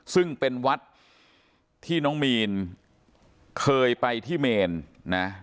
ซึ่งเป็นวัดที่น้องมีนเคยไปที่เมนนะ